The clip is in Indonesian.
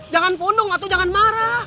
jangan pundung atau jangan marah